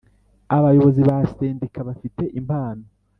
Abayobozi ba Sendika bafite impano